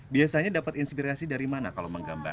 biasanya dapat inspirasi dari mana kalau menggambar